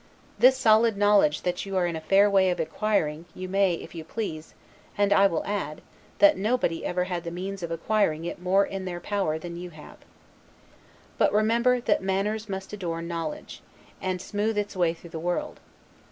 This solid knowledge you are in a fair way of acquiring; you may, if you please; and I will add, that nobody ever had the means of acquiring it more in their power than you have. But remember, that manners must adorn knowledge, and smooth its way through the world.